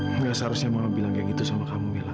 nggak seharusnya mama bilang kayak gitu sama kamu mila